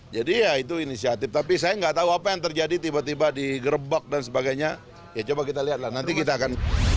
jadi ya itu inisiatif tapi saya tidak tahu apa yang terjadi tiba tiba di gerebak dan sebagainya ya coba kita lihatlah nanti kita akan